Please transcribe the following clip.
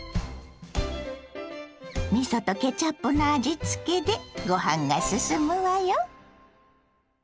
みそとケチャップの味付けでご飯がすすむわよ。